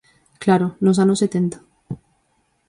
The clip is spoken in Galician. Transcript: Claro, nos anos setenta.